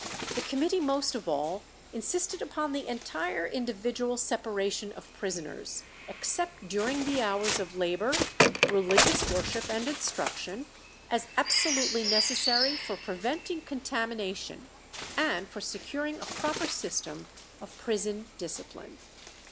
The committee most of all insisted upon the entire individual separation of prisoners, except during the hours of labour, religious worship, and instruction, as "absolutely necessary for preventing contamination, and for securing a proper system of prison discipline."